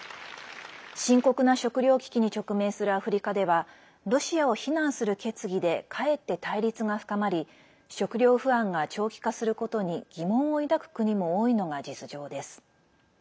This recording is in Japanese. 深刻な食糧危機に直面するアフリカではロシアを非難する決議でかえって対立が深まり食料不安が長期化することに疑問を抱く国も多いのが実情です。